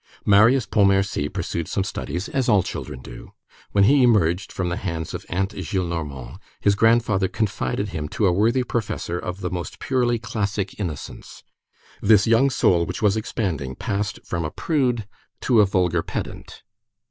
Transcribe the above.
Marius Pontmercy pursued some studies, as all children do. When he emerged from the hands of Aunt Gillenormand, his grandfather confided him to a worthy professor of the most purely classic innocence. This young soul which was expanding passed from a prude to a vulgar pedant.